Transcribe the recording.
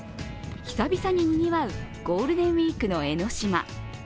久々ににぎわうゴールデンウイークの江の島。